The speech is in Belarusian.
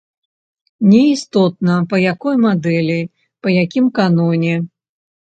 Не істотна, па якой мадэлі, па якім каноне.